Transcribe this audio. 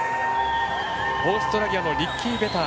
オーストラリアのリッキー・ベター。